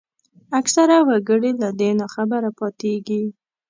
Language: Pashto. اکثره وګړي له دې ناخبره پاتېږي